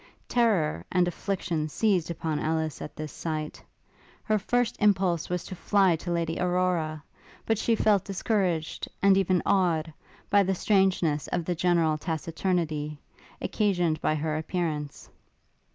Terror and affliction seized upon Ellis at this sight. Her first impulse was to fly to Lady Aurora; but she felt discouraged, and even awed, by the strangeness of the general taciturnity, occasioned by her appearance.